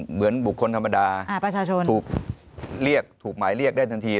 เหมือนบุคคลธรรมดาประชาชนถูกเรียกถูกหมายเรียกได้ทันที